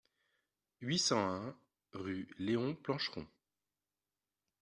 huit cent un rue Léon Plancheron